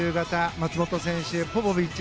松元選手、ポポビッチ。